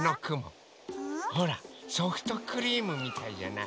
ほらソフトクリームみたいじゃない？